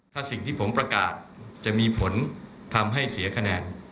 ถ้าสิ่งที่ผมประกาศจะมีผลทำให้เสียคะแนน